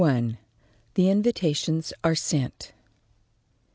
THE INVITATIONS ARE SENT.